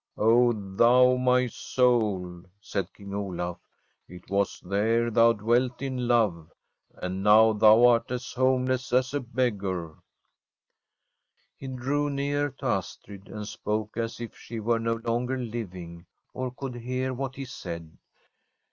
* Oh, thou my soul,' said King Olaf, ' it was there thou dwelt in love, and now thou art as ASTRID homeless as a beggar.' He drew nearer to Astrid, and spoke as if she were no longer living or could hear what he said.